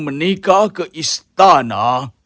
menikah ke istana